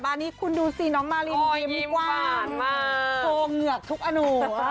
บ้านนี้คุณดูสิน้องมารินยิ้มขวาคงเหนือกทุกอนุ